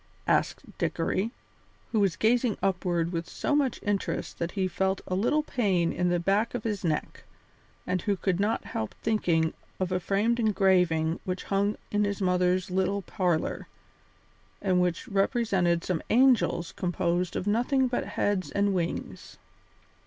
asked Dickory, who was gazing upward with so much interest that he felt a little pain in the back of his neck, and who could not help thinking of a framed engraving which hung in his mother's little parlour, and which represented some angels composed of nothing but heads and wings.